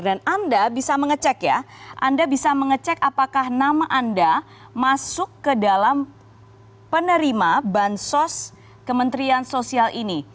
dan anda bisa mengecek ya anda bisa mengecek apakah nama anda masuk ke dalam penerima bansos kementerian sosial ini